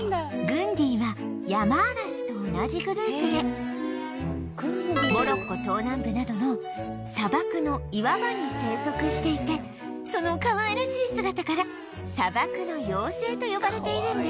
グンディはヤマアラシと同じグループでモロッコ東南部などの砂漠の岩場に生息していてそのかわいらしい姿から「砂漠の妖精」と呼ばれているんです